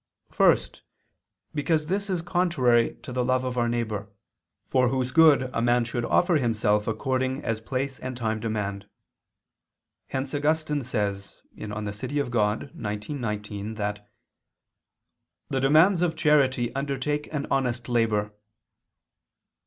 First, because this is contrary to the love of our neighbor, for whose good a man should offer himself according as place and time demand: hence Augustine says (De Civ. Dei xix, 19) that "the demands of charity undertake an honest labor."